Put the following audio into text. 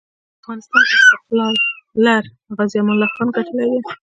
د افغانسان استقلار غازي امان الله خان ګټلی دی.